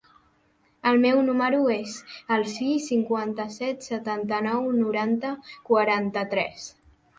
El meu número es el sis, cinquanta-set, setanta-nou, noranta, quaranta-tres.